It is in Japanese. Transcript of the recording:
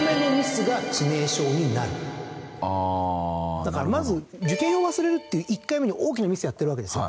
だからまず受験票を忘れるっていう１回目の大きなミスをやってるわけですよ。